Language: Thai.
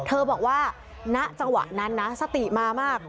เธอบอกว่าณจังหวะนั้นนะสติมามาก